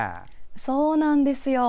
そうなんですよ。